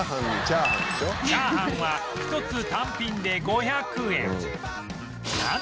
チャーハンは一つ単品で５００円